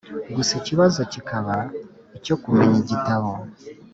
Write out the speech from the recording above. gusa ikibazo kikaba icyo kumenya igitabo